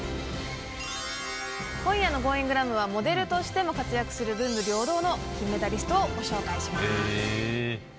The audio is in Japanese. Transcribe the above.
今夜のゴーイングラムは、モデルとしても活躍する、文武両道の金メダリストをご紹介します。